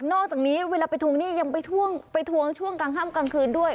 อกจากนี้เวลาไปทวงหนี้ยังไปทวงช่วงกลางค่ำกลางคืนด้วย